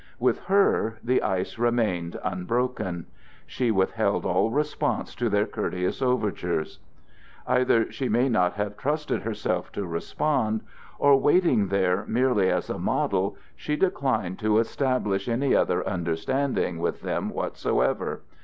With her the ice remained unbroken; she withheld all response to their courteous overtures. Either she may not have trusted herself to respond; or waiting there merely as a model, she declined to establish any other understanding with them whatsoever.